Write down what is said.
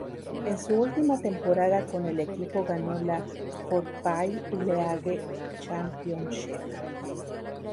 En su última temporada con el equipo ganó la Football League Championship.